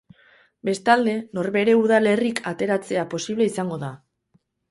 Bestalde, norbere udalerrik ateratzea posible izango da.